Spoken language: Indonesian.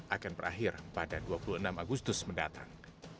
akan berakhir pada dua puluh enam agustus mendatang